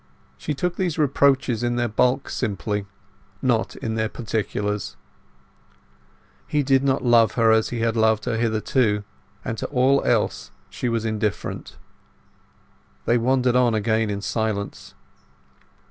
She took these reproaches in their bulk simply, not in their particulars; he did not love her as he had loved her hitherto, and to all else she was indifferent. They wandered on again in silence.